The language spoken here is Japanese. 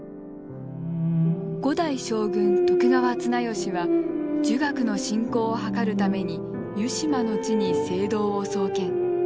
五代将軍徳川綱吉は儒学の振興を図るために湯島の地に聖堂を創建。